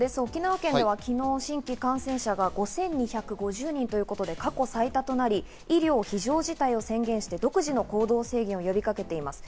昨日、新規感染者が５２５０人ということで過去最多となり、医療非常事態を宣言して独自の行動制限を呼びかけています。